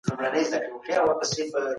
استفاده باید د اصولو په چوکاټ کي وي.